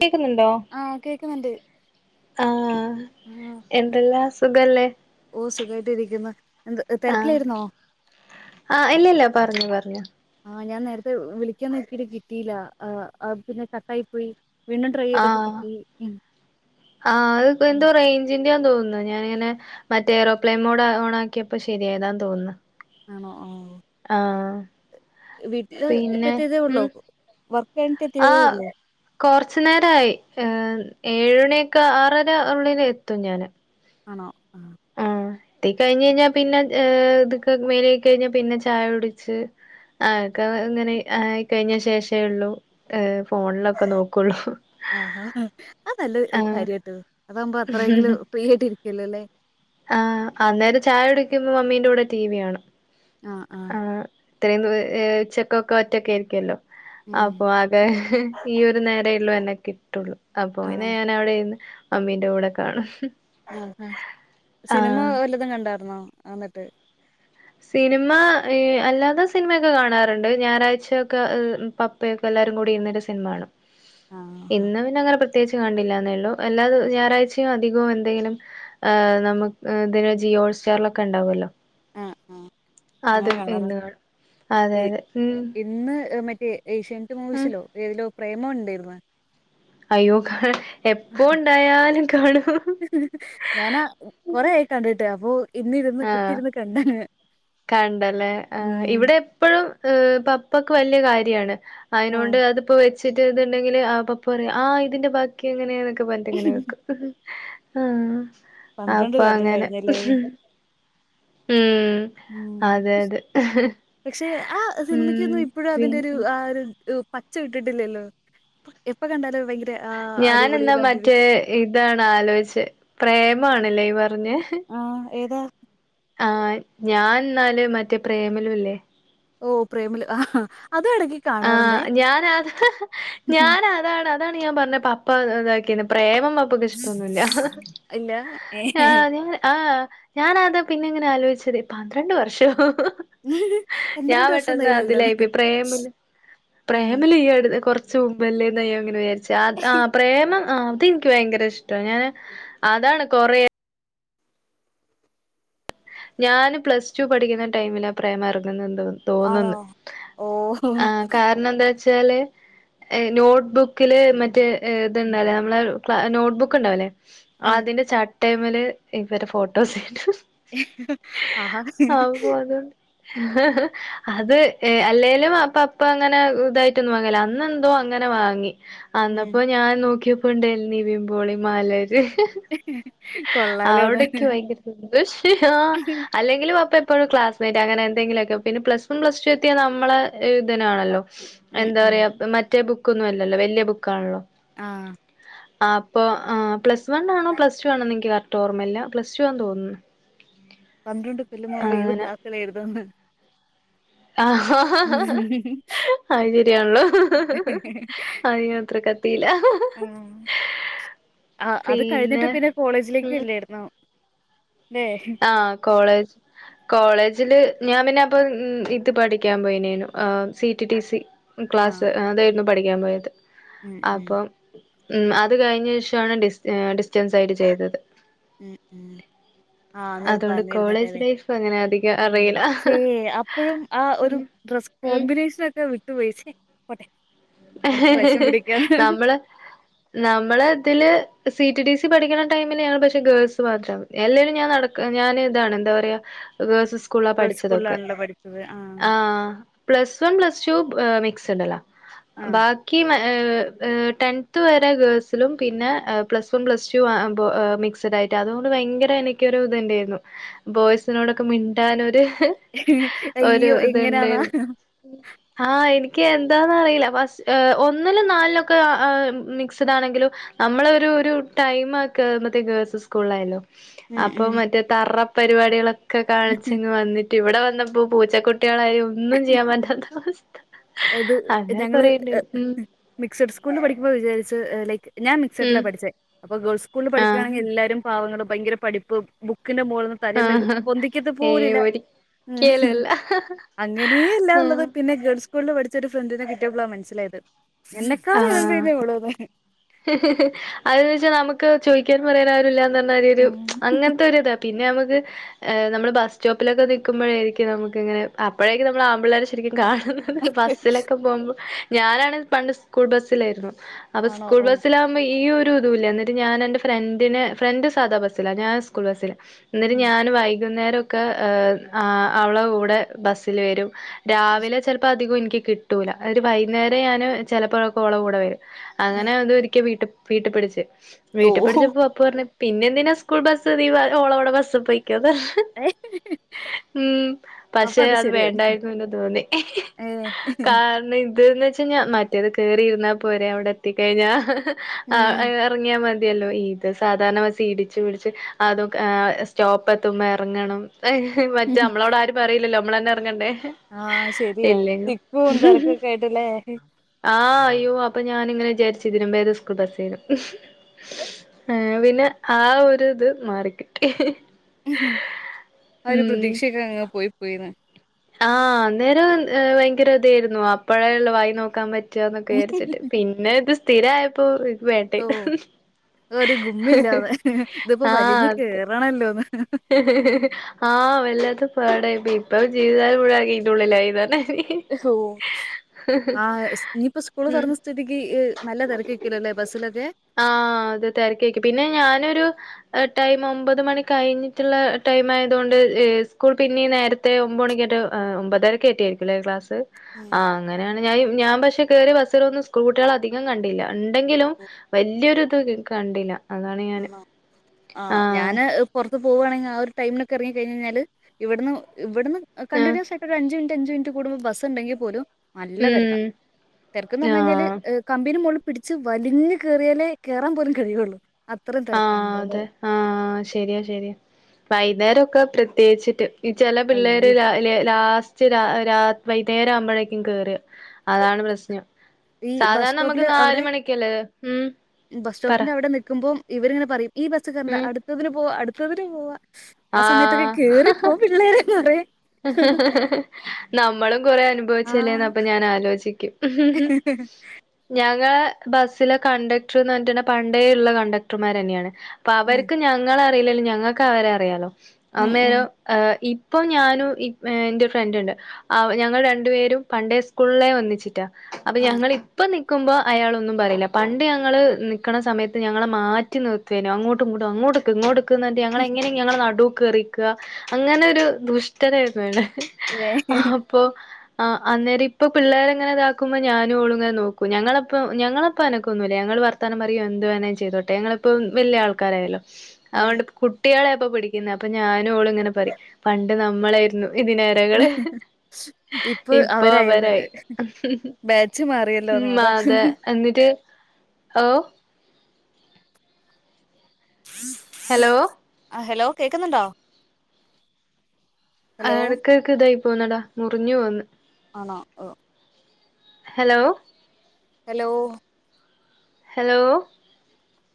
കേക്കുന്നുണ്ടോ ആഹ് കേക്കുന്നുണ്ട് ആ എന്തല്ലാം സുഖല്ലേ ഓ സുഖായിട്ട് ഇരിക്കുന്നു എന്ത് ആഹ് തരക്കിലായിരുന്നോ ആഹ് ഇല്ലില്ല പറഞ്ഞോ പറഞ്ഞോ ആ ഞാൻ നേരത്തെ വിളിക്കാൻ നോക്കീട്ട് കിട്ടിയില്ല പിന്നെ കട്ടായി പോയി വീണ്ടും ട്രൈ ചെയ്തപ്പോ ആഹ കിട്ടി ഉം ആ എന്താ റേയ് റെയിഞ്ചിൻ്റെ തോന്നുന്നു ഞാനിങ്ങന മറ്റേ എയ്റോപ്ലെയിൻട് ഓൺ ആക്കിയപ്പോ ശരിയായതാന്ന് തോന്നുന്നു ആണോ ആ ആഹ് വീട്ടില് ഇപ്പ പിന്നെ എത്തിയതേ ഉള്ളൂ ഉം വർക്ക് കഴിഞ്ഞിട്ട് എത്തിയതേ ഉള്ളൂ കുറച്ചു നേരമായി ഏഴ്മണിക്കെ ആറര ഉള്ളിൽ എത്തും ഞാൻ ആണോ ആഹ് ആഹ് എത്തി കഴിഞ്ഞ കഴിഞ്ഞാൽ പിന്നെ ഇതക്കെ മേലയുകി കഴിഞ്ഞാ പിന്നെ ചായടിച്ച് ആക്കെ ഇങ്ങനെ ആയിക്കഴിഞ്ഞ ശേഷേള്ളൂ ഹ് ഫോണിലൊക്കെ നോക്കുള്ളു ആഹ് അത് നല്ല കാര്യട്ടോ അതാകുമ്പോ അത്രയെങ്കിലും ഫ്രീ ആയിട്ട് ഇരിക്കല്ലോ അല്ലെ ആഹ് അന്നേരം ചായ കുടിക്കുമ്പോ മമ്മീന്റെ കൂടെ ടിവി കാണും ആഹ് ഇത്രയു ഉച്ചക്കക്കെ ഒറ്റക്കയിരിക്കുല്ലോ ഉം അപ്പൊ ആകെ ഈയരു നേരള്ളൂ എന്നെ കിട്ടുള്ളു അപ്പൊ ഇങ്ങനെ ആണ് ഞാൻ അവിടെ ഇന്ന് മമ്മീന്റെ കൂടെ കാണും ആ സിനിമ ആഹ് വല്ലതും കണ്ടായിരുന്നോ വന്നിട്ട് സിനിമ അല്ലാത സിനിമയൊക്കെ കാണാറുണ്ട് ഞായറാഴ്ചയൊക്കെ പപ്പയോക്കെ എല്ലരും കൂടി ഇരുന്നൊരു സിനിമകാണും ആഹ് ആഹ് ഇന്ന് പിന്നെങ്ങനെ പ്രത്യേകിച്ച് കണ്ടില്ലന്നെ ഉള്ളൂ അല്ലാത ഞായറാഴ്ചയും അധികവും എന്തെങ്കിലും ആഹ് നമുക്ക് അതിന് ജിയോ സ്റ്റാറിലൊക്കെ ഉണ്ടാവല്ലോ ആഹ് അങ്ങനെ കണ്ടത ഇന്ന് കാണും അതെ അതെ ഉം ഇന്ന് മറ്റേ ഏഷ്യൻ മൂവീസിലോ ഏതിലോ പ്രേമം ഉണ്ടായിരുന്നു അയ്യോ എപ്പോ ഉണ്ടായാലും കാണൂ ഞാന കൊറെ ആയി കണ്ടിട്ട് അപ്പൊ ഇന്നിരുന്ന് ആഹ് കുത്തിരുന്ന് കണ്ടാണ് കണ്ടല്ലേ ആഹ് ഉം ഇവിടെ എപ്പഴും ഹ് പപ്പക്ക് വലിയ കാര്യമാണ് ആഹ് അതിനൊണ്ട് അത് ഇപ്പൊ വെച്ചിട്ട് ഇതുണ്ടെങ്കിൽ പപ്പ പറ ആ ഇതിന്റെ ബാക്കി എങ്ങനെയാന്നൊക്കെ പറഞ്ഞിട്ടങ്ങനെ വെക്കും ആഹ് പന്ത്രണ്ട് കൊല്ലം അപ്പൊങ്ങനെ കഴിഞ്ഞല്ലേ ഉം അതെ അതെ. പക്ഷെ ആ സിനിമയ്ക്കൊന്നും ഉം ഇപ്പഴും പിൻ അതിന്റെ ഒരു ആ ഒരു പച്ച ഇട്ടിട്ടില്ലല്ലോ എപ്പൊ കണ്ടാല ഭയങ്കര ആ അടിപൊളി ഞാനെന്നാ മറ്റേ ബന്തിതിക്ക് ഇതാണ് ആലോയ്ച്ച് പ്രേമാണല്ലേ ഈ പറഞ് ആഹ് ഏതാ ആഹ് ഞാൻന്നാല് മറ്റേ പ്രേമലുല്ലേ ഓഹ് പ്രേമലു അത് ഇടക്ക് കാണാറുണ്ടേ ആഹ് ഞാനാത് ഞാനാ അതാണ് അതാണ് ഞാൻ പറഞ്ഞ പപ്പ ഇതാക്കിയ പ്രേമം പപ്പക്ക് ഇഷ്ടൊന്നുല്ല ഇല്ല ഏ ആഹ് ഞാൻ ആഹ് ഞാനതാ പിന്നെ ഇങ്ങനെ ആലോയ്ച്ചത് പന്ത്രണ്ട് വർഷോ എന്തരം ഞാൻ പെട്ടന്ന് രസംണ്ടായില്ലല്ലോ അതിലായിപ്പ പ്രേമിലു ഉം പ്രേമല്യ കുറച് മുമ്പല്ലേന്ന്യ്യ അങ്ങനെ വിചാരിച്ചു പ്രേമം അതെനിക്ക് ഭയങ്കര ഇഷ്ടം ഞാന് അതാണ് കുറെ ഞാന് പ്ലസ്റ്റു പഠിക്കുന്ന ടൈമിലാ പ്രേമം ഇറങ്ങുന്നത് എന്തോന്നുന്നു ആണോ തോന്നുന്നു ഓ ആ കാരണം എന്താ ച്ചാല് നോട്ട്ബുക്കില് മറ്റേ ഇത്ണ്ടല്ലേ നമ്മള നോട്ട്ബുക്ക് ഉണ്ടാവല്ലേ ഉം അതിന്റെ ചട്ടയ്മല് ഇവരെ ഫോട്ടോസ് വെയ്ക്കും [inaudible] അതണ്ട് അത് ഏഹ്‌ അല്ലേലും അപ്പ അപ്പ അങ്ങനെ ഇതായിട്ടൊന്നും വാങ്ങല അന്ന എന്തോ അങ്ങനെ വാങ്ങി ഉം അന്നപ്പോ ഞാൻ നോക്കിയപ്പോണ്ടൽ നിവമ്പോളി മലര് [inaudible] അവിടക്ക ഭയങ്കര സന്തോഷ അല്ലെങ്കിലും അപ്പ ഇപ്പോഴും ക്ലാസ്മേറ്റ് അങ്ങനെ എന്തെങ്കിലുമൊക്കെ പിന്നെ പ്ലസ് വൺ പ്ലസ് ടു എത്തിയാ നമ്മളെ ഇതിനാണല്ലോ ഉം എന്താ ഉം പറയാ മറ്റേ ബുക്കൊന്നും അല്ലല്ലോ വല്ല്യ ബുക്കാൺല്ലോ ആഹ്‌ അപ്പൊ പ്ലസ് വൺ ആണോ പ്ലസ് ടു ആണോ നിക്ക് കറക് ഓമ്മല്ല പ്ലസ് ടു വാന്ന് തോന്നുന്നു പന്ത്രണ്ട് കൊല്ലം മുൻപ് ഏത് അങ്ങനെ ക്ലാസ്സിൽ ആയിരുനുന്ന്‌ ആചര്യണല്ലോ അത്ര ക പറീല ആഹ്‌ ആ അത് കഴിഞ്ഞിട്ട് പിന്നെ കോളേജിലേക്ക് ഉം ഇല്ലായിരുന്നോ ലേഹ് ആഹ് കോളേജ് കോളേജില് ഞാൻ പിന്നെ അപ്പൊ ഇത് പഠിക്കാൻ പോയിനു സി ടി ടി സി ആഹ് ക്ലാസ്സ് അതായിരുന്നു പഠിക്കാൻ പോയത് ഉം ഉം അപ്പം ഉം അത് കഴിഞ്ഞ ശേഷണ് ഡിസ്റ്റൻസ് ആയിട്ട് ചെയ്തത് ഉം ഉം ആഹ്‌ ഇങ്ങൾ അതുകൊണ്ട് പറഞ്ഞുരുന്നട്ടെ കോളേജ് അല്ലെ ലൈഫ് അങ്ങനെ അധികം അറിയില്ല അപ്പഴും ആ ഒരു ഡ്ര ഉം കോമ്പിനേഷന ഒക്കെ വിട്ടുപയിച്ചേ ട്പോട്ടെ നമ്മള് നമ്മള ഇതില് C T T T C പഠിക്കണ ടൈമിലെയാണ് പക്ഷെ ഗേൾസ് മാത്ര എല്ലാവരും ഞാൻ നടക്ക ഞാൻ ഇതാണ് എന്താ പറയാ സ്കൂള ഗേൾസ് പഠിച്ചതൊക്കെ സ്കൂളിലാണല്ലോ പഠിച്ചത് ആഹ് ആഹ്‌ plus one plus two mixed അല്ല ബാ ആഹ് ബാക്കി ടെൻത്ത് വരെ ഗേൾസിലും പിന്നെ പ്ലസ് വൺ പ്ലസ് ടു മ മിക്സഡ് ആയിട്ട് അതുകൊണ്ട് ഭയങ്കര എനക്ക് ഇത്ണ്ടായിരുന്നു ബോയ്സിനോടൊക്കെ മിണ്ടൻരു ഒരു അയ്യോ എങ്ങനാന്നാ ഇത്ണ്ടായിരുന്നു ആഹ് എനിക്ക് എന്താന്ന അറിയില്ല ഒന്നിലും നാലിലൊക്കെ മിക്സ്ഡ് ആണെങ്കിലും നമ്മള ഒരു ഒരു ടൈം ആക്ക മറ്റേ ഗേൾസ് സ്കൂളിലായാലോ ഉം അപ്പൊ ഉം മറ്റേ തറ പരിപാടികളൊക്കെ ഉം. കാണിച്ചെങ്ങ് വന്നിട്ട് ഇവിടെ വന്നപ്പോ പൂച്ചക്കുട്ടികളായും ഒന്നും ചെയ്യാൻ പറ്റാത്ത അവസ്ഥ അത് അങ്ങനെ ഞങ്ങള് കൊറേണ്ട് ഉം മിക്സഡ് സ്കൂളി പഠിക്കുമ്പോ വിചാരിച്ച് ലൈക്ക് ഞാൻ മിക്സിഡില ഉം പഠിച്ചേ അപ്പൊ ഗൾസ്കൂളിൽ ആഹ് പഠിക്കണെങ്കിൽ എല്ലാരും പാവങ്ങള് ഭയങ്കര പഠിപ്പ് ബുക്കിന്റെ മോകൾന്ന് തലന്ന് ആഹ് പൊന്ക്കത് ഏയ് പോലില്ല ഉം ഒരിക്കലല്ല അങ്ങനെയല്ല ഉള്ളത് ആഹ് പിന്നെ ഗേൾസ് സ്കൂളിൽ പഠിച്ച ഒരു ഫ്രണ്ടിനെ കിട്ടിയപ്പോളാ മനസിലായത് എന്നെക്കാള എൻതേ ഉള്ള അത വെച്ചാൽ നമുക്ക് ചോദിക്കാൻ പറയാന ആരുില്ല അങ്ങനത്തെ ഒരു ഇതാ പിന്നെ നമുക്ക് നമ്മ ബസ്റ്റോപ്പിലൊക്കെ നീക്കുമ്പോഴായിരിക്കും നമുക്ക് ഇങ്ങനെ അപ്പോഴേക്ക നമ്മൾ ആമ്പിളേര ശും കാണുന്നത് ബസ്സിലൊക്കെ പോകുമ്പോ ഞാനാണ് പണ്ട് സ്കൂൾ ബസ്സിലായിരുന്നു അപ്പൊ ആണോ സ്കൂൾ ഓ ബസ്സില ഈ ഒരു ഇതു ഇല്ല എന്നിട്ട് ഞാൻ എന്റെ ഫ്രണ്ടിനെ ഫ്രണ്ട് സാധാ ബസ്സില്ല ഞാൻ സ്കൂൾ ബസ്സില്ല എന്നിട്ട് ഉം ഞാൻ വൈകുന്നേരക്കെ അവള കൂടെ ബസ്സിൽ വരും രാവിലെ ചെലപ്പോ അധികം എനിക്ക് കിട്ടൂല ഒരു വൈകുന്നേരം ഞാന് ചിലപ്പോഴൊക്കെ കൂടെ വരും അങ്ങനെ അതരിക്ക വട്ട വീട്ടുപിടിച്ച് ഓ വീട്ട പിടിച്ചപ്പോ പറഞ്ഞെ പിന്നെ എന്തിനാ സ്കൂൾ ബസ്സ് ഓളോടെ ബസ് പോയിക്ക പറഞ്ഞു ഉം അപ്പൊ പക്ഷെ അത് ശരിയായിരുന്നു വേണ്ടായിരുന്നു എന്ന് തോന്നി ഏ കാരണം ഇത് എന്നു വെച്ച ഞ മറ്റേത് കേറിയിരുന്നാ പോരെ അവിടെ എത്തിക്കഴിഞ്ഞാ ആഹ് ഇറങ്ങിയാൽ മതിയല്ലോ ഇത് സാധാരണ ഇടിച്ചു പിടിച്ച് അതും സ്റ്റോപ്പത്തുമ്പോ യെറങ്ങണം മറ്റേ നമ്മളോട് ആരും പറയില്ലല്ലോ നമ്മളന്നെ എറങ്ങണ്ടേ ആഹ് ശരിയാ ഇല്ലെങ്കി തിക്കും തെരക്കൊക്കെ ആയിട്ട്ല്ലേ ആഹ് അയ്യോ അപ്പൊ ഞാനിങ്ങനെ വിചാരിച്ച് ഇതിലും ഭേദം സ്കൂൾ ബസ്സാരുന്നു ഏഹ് പിന്നെ ആ ഒരു ഇത് മാറിക്കിട്ടി ആഹ് ഒരു ഉം പ്രതീക്ഷയിലാ അങ്ങ് പോയി പോയിന്ന് ആഹ് അന്നേരം ഭയങ്കര ഇതായിരുന്നു അപ്പഴേ ഉള്ള വായി നോക്കാൻ പറ്റ പറ്റെന്നൊക്കെ വിചാരിച്ചിട്ട് പിന്നെ ഇത് സ്ഥിരയപ്പോ ഓ ഒരു ഗുമ്മില്ലാതെ ഇതിപ്പോ വലിഞ്ഞ് കേറണല്ലോന്ന് ഹ് ഹ് ആഹ് വല്ലാത്ത പാടായിപ്പ ഇപ്പ ജീവിതകാലം മുഴുവൻ ഇതിൻ്റെ ഉള്ളിലായിന്ന് പറഞ്ഞു ഓഹ് ആഹ് ഇനിയിപ്പോ സ്കൂള് ഉം തുറന്ന സ്ഥിതിക്ക് നല്ല തെരക്ക് ആയിരിക്കുല്ലേ ബസ്സിലൊക്കെ ആഹ് അത് തെരക്കായിരിക്കും പിന്നെ ഞാനൊരു ടൈം ഒമ്പത് മണി കഴിഞ്ഞ് ട്ട്ള്ള ടൈം ആയതുകൊണ്ട് സ്കൂൾ പിന്നീ നേരത്തെ ഒമ്പത് മണിക്കറ്റെ ആയിട്ട് ഒമ്പതരക്ക് ആറ്റ ആയിരിക്കുംല്ലേ ക്ലാസ്സ് ഉം ആഹ് അങ്ങനെയാണ് ഞ ഞാൻ പക്ഷെ കയറിയ ബസ്സിൽ ഒന്നും സ്കൂൾ കുട്ടികൾ അധികം കണ്ടില്ല ഉണ്ടെങ്കിലും വലിയൊരിത് കണ്ടില്ല അതാണ് ഞാന് അഹ് ആഹ് ഞാന് പൊറത്ത് പോവുകവാണെങ്കിൽ ആ ഒരു ടൈമിനൊക്കെ ഇറങ്ങി കഴിഞ് കഴഞ്ഞാല് ഇവിടുന്ന് ഇവിടുന്ന് കണ്ടിന്യൂസ് ആഹ് അഞ്ച് മിനിറ്റ് അഞ്ച് മിനിറ്റ് കൂടുമ്പോ ബസ് ഉണ്ടെങ്കിൽ പോലും നല്ല തെരക്ക ഉം തെരക്കൊ തെരക്ക്ന്ന് പറഞ്ഞു കഴിഞ്ഞാല് ആഹ് കമ്പി ന് മുകളിൽ പിടിച്ച് വലിഞ്ഞ് കേറിയാലേ കയറാൻ പോലും കഴിയൊള്ളു ആഹ് അതെ ആഹ് ശരിയാ ശരിയാ വൈകുന്നേരൊക്കെ പ്രത്യേകിച്ചിട്ട് ഈ ചെല പിള്ളേര് അയ്യോ ലാ ല ലാസ്റ്റ് രാ രാ വൈകുന്നേരം ആവുമ്പോഴേക്കും കേറഅതാണ് പ്രശ്നം ഈ ബസ് സാധാരണ നമുക്ക് സ്റ്റോപ്പില് നാല് അവിടെ മണിക്കല്ലേ ഉം പറയ് ഇവിടെ നിക്കുമ്പോൾ ഇവരിങ്ങനെ പറയും ഈ ബസ് കയറണ്ടാ ഉം അടുത്തതിന് പോവാ അടുത്തതിന് പോവാ ആ സമയത്തൊക്കെ ആഹ് കേറിപ്പോ പിള്ളേരേ എന്ന് പറയും നമ്മളും കൊറെ ആഹ് അനുഭവിച്ചല്ലേന്ന് അപ്പ ഞാൻ ആലോചിക്കും ഹ്‌ഹ് ഉം ഞങ്ങളെ ബസ്സിലെ കണ്ടക്ടർന്ന് പറഞ്ഞിട്ട പണ്ടേ ഇള്ള കണ്ടക്ടർമാര് തന്നെയാണ് അപ്പൊ ഉം അവർക്ക് ഞങ്ങളെ അറിയില്ലേലും ഞങ്ങൾക്ക് അവരെ അറിയാലോ ഉം ഉം അന്നേരം ഇപ്പൊ ഞാനും ഇൻ്റെ എന്റെ ഫ്രണ്ടുണ്ട് ഞങ്ങൾ രണ്ടു പേരും പണ്ടേ സ്കൂളിലെ ഒന്നിച്ചിട്ടാ അപ്പൊ ആഹ് ഞങ്ങള് ഇപ്പ മ്പോ അയാളൊന്നും പറയില്ല പണ്ട് ഞങ്ങൾ നിക്കണ സമയത്ത് ഞങ്ങളെ മാറ്റി നിർ ത്തിനു അണ്ടോട്ടുങ്ങട്ടു അങ്ങോട്ടുനിക്ക് ഇങ്ങട്ടും ഞങ്ങ എങ്ങനെ ഞങ്ങള നടു കയറി നിക്കുക അങ്ങനെ ഒരു ദുഷ്ടരായിന്നു അയാൾ ആഹ് അപ്പോ ആഹ് അന്നേരം ഇപ്പ പിള്ളേർ അങ്ങനെതാക്കുമ്പോ ഞാനും ഓളുങ്ങെ നോക്കും ഞങ്ങളപ്പ ഞങ്ങളിപ്പ അനക്കെ ഒന്നുല്ല ഞങ്ങ വർത്താനം പറയോ എന്ത് വേണോലും ചെയ്തോട്ടെ ഞങ്ങളിപ്പോ വല്യയ ആൾക്കാരായല്ലോ ഉം അതൊണ്ട് കുട്ടികളെ അപ്പൊ പിടിക്കുന്നത് അപ്പൊ ഞാനും അവളും ഇങ്ങനെ പറയും പണ്ട് നമ്മളായിരുന്നു ഇതിനാകത് ഞങൾ ഇപ്പൊ അവരായി ബേച്ച് മാറിയല്ലോന്ന് ഉം അതാ അതെ എന്നിട്ട് ഓ ഹലോ അഹ് ഹലോ കേക്കുന്ന്ണ്ടോ ഹലോ ആഹ് എടക്കൊക്ക് ഇതായി പോവ്ന്നടാ മുറിഞ്ഞു പോന്ന്. ആണോ ഓ ഹലോ ഹലോ ഹെലോ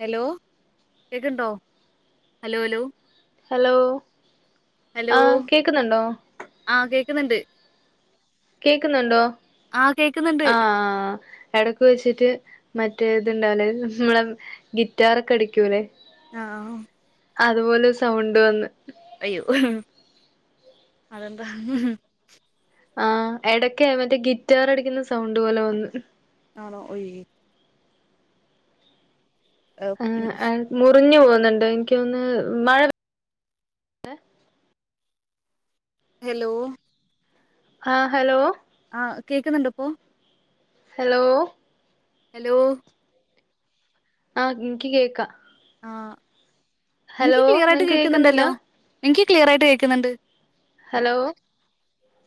ഹലോ കേക്ക്ണ്ടോ ഹലൊ ഹലൊ. ഹലോ ഹലോ ആഹ് കേക്ക്ന്നുണ്ടോ. ആഹ് കേക്ക്ന്ന്ണ്ട് കേക്കുന്നുണ്ടോ ആഹ് കേക്കുന്നുണ്ട് ആഹ്. എടക്ക് വെച്ചിട്ട് മറ്റെ ഇത്ണ്ടാവൂലേ. നമ്മളെ ഗിറ്റാറൊക്കെ അടിക്കൂല്ലേ. ആഹ് അതുപോലെ സൗണ്ട് വന്ന് അയ്യോ [inaudible] അതന്താ ആഹ് എടക്ക് മറ്റെ ഗിറ്റാർ അടിക്കുന്ന സൗണ്ട് പോലെ വന്ന്. ഉം മുറിഞ്ഞു പോകുന്ന്ണ്ട്. ഇൻക്ക് തോന്ന് മഴ [unintelligible] ഹെലോ ആഹ് ഹെലോ. ആഹ് കേക്ക്ന്ന്ണ്ട ഇപ്പോ ഹെലോ. ഹെലോ. ആഹ് ഇൻക്ക് കേക്ക ആഹ് ഇൻക്ക് ക്ലിയർ ആയിട്ട് നിങ്ങക്ക് കേക്ക് കേക്കുന്നില്ല ന്ന്ണ്ടല്ലോ. നിൻക്ക് ക്ലിയർ ആയിട്ട് കേക്ക്ന്ന്ണ്ട്. ഹലോ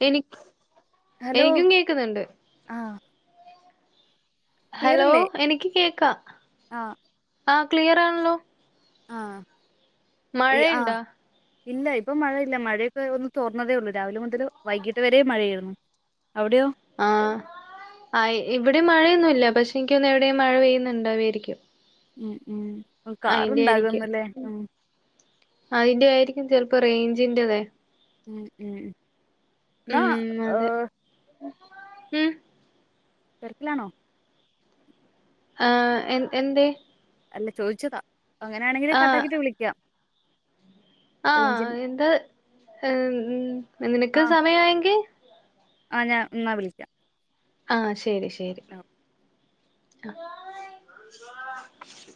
എനി ഹലോ എനിക്കും കേക്ക്ന്ന്‌ണ്ട്. ആഹ് ഹലോ ക്ലിയറല്ലേ എനിക്ക് കേക്കാ. ആഹ് ആഹ് ക്ലിയറാണല്ലോ. ആഹ് ഇ ആഹ് മഴയുണ്ടാ ഇല്ല ഇപ്പൊ മഴയില്ല മഴയൊക്കെ ഒന്ന് തോർന്നതേ ഒള്ളൂ രാവിലെ മുതല് വൈകീട്ട് വരേ മഴയേര്ന്നു. അവിടെയോ ആഹ് ആഹ് ഇവിടിം മഴയൊന്നുല്ല പക്ഷെ ഇൻക്കിന്നെവിടിം മഴ പെയ്യ്ന്ന് ണ്ടാവരിക്കും. ഉം ഉം ഇപ്പൊ കാറുണ്ടാകുന്ന് ല്ലേ ഉം. അയിന്റെ ആയിരിക്കും ചെലപ്പൊ റെയ്ഞ്ചിന്റെതെ ഉം ഉം എന്നാ ഉം അതെ ഏഹ് ഉം. തെരക്ക്ലാണൊ. ആഹ് എൻ എന്തെ. അല്ല ചോയ്ച്ചതാ അങ്ങനെ ആണെങ്കിൽ ആഹ് കട്ടാക്കീട്ട് വിളിക്കാം റേഞ്ചിന് ആഹ് എന്താ നിനക്ക് ആഹ് സമയായെങ്കി ആഹ് ഞാൻ ഇന്നാ വിളിക്കാ. ആഹ് ശെരി ശെരി ആഹ്